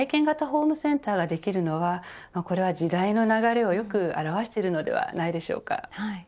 ホームセンターができるのはこれは時代の流れをよく表しているのではないでしょうか。